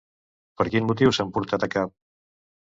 Per quin motiu s'han portat a cap?